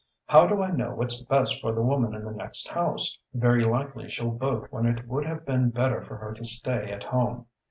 How do I know what's best for the woman in the next house? Very likely she'll bolt when it would have been better for her to stay at home.